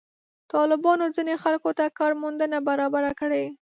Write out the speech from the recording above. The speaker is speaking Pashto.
طالبانو ځینو خلکو ته کار موندنه برابره کړې.